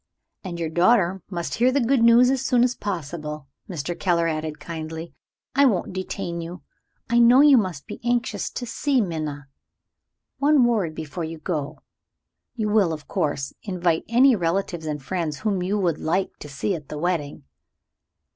"And your daughter must hear the good news as soon as possible," Mr. Keller added kindly. "I won't detain you. I know you must be anxious to see Minna. One word before you go. You will, of course, invite any relatives and friends whom you would like to see at the wedding."